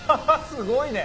すごいね